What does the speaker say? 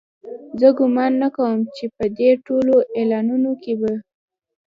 زه ګومان نه کوم چې په دې ټولو اعلانونو کې به.